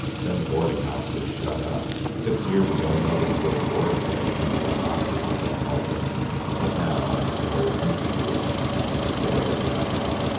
Then the boarding house was shut up. Six years ago nobody would have boarded there, much less occupied that hall bedroom, but now I suppose new people have come in and the story has died out.